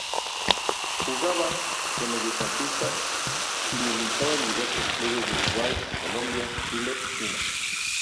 Jugaba de mediocampista y militó en diversos clubes de Uruguay, Colombia, Chile y China.